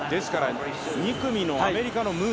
２組のアメリカのムー。